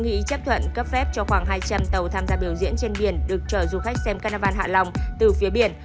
ý chấp thuận cấp phép cho khoảng hai trăm linh tàu tham gia biểu diễn trên biển được chở du khách xem các na van hạ long từ phía biển